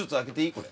これ。